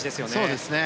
そうですね。